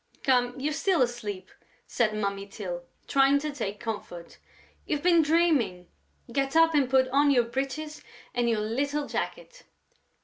"Come, you're still asleep!" said Mummy Tyl, trying to take comfort. "You've been dreaming!... Get up and put on your breeches and your little jacket...."